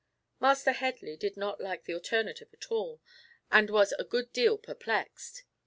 Master Headley did not like the alternative at all, and was a good deal perplexed.